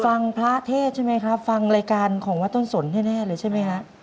พระเทศใช่ไหมครับฟังรายการของวัดต้นสนแน่เลยใช่ไหมฮะ